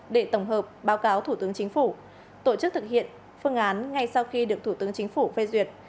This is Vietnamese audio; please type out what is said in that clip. để tổng hợp báo cáo thủ tướng chính phủ tổ chức thực hiện phương án ngay sau khi được thủ tướng chính phủ phê duyệt